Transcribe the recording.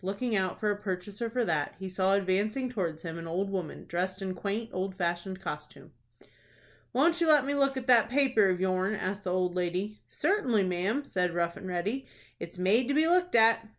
Looking out for a purchaser for that, he saw advancing towards him an old woman, dressed in quaint, old fashioned costume. "Won't you let me look at that paper of yourn?" asked the old lady. "Certainly, ma'am," said Rough and Ready; "it's made to be looked at."